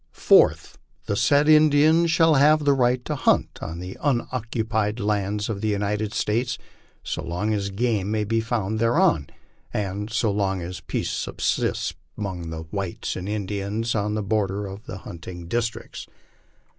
Fourth. The said Indians shall have the right to hunt on the unoccupied lands of the United States so long as game may be found thereon, and so long as peace subsists among the whites and Indians on the border of the hunting districts.